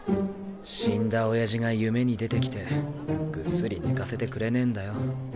死んだ親父が夢に出てきてグッスリ寝かせてくれねぇんだよ。